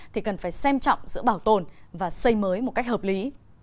thì cần phải xem trọng giữa bảo tồn và xây mới một cách hợp lý